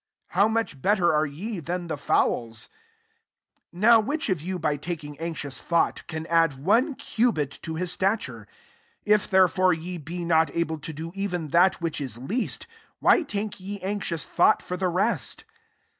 How much better are ye than the fowls ? 25 " Now which of you, by taking anxious thought, can add one cubit to his stature ? 26 If therefore ye be not able to do even that which is least, why take ye anxious thought for the rest?